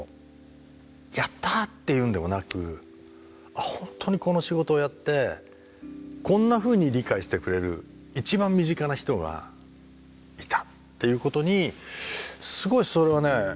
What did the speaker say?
「やった！」っていうんでもなくほんとにこの仕事をやってこんなふうに理解してくれる一番身近な人がいたっていうことにすごいそれはね